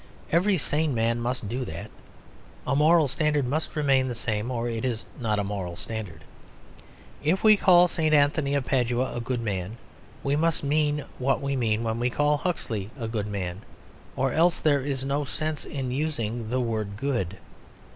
Every sane man must do that: a moral standard must remain the same or it is not a moral standard. If we call St. Anthony of Padua a good man, we must mean what we mean when we call Huxley a good man, or else there is no sense in using the word "good."